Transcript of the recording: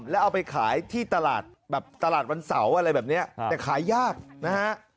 แล้วเอาไปขายที่ตลาดแบบตลาดวันเสาร์อะไรแบบนี้แต่ขายยากนะฮะ